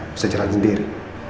bisa jalan sendiri